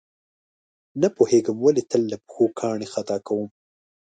نه پوهېږم ولې تل له پښو کاڼي خطا کوي.